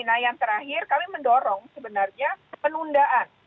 nah yang terakhir kami mendorong sebenarnya penundaan